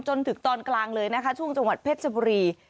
จนถึงตอนกลางเลยนะคะช่วงจังหวัดเพชรชบุรี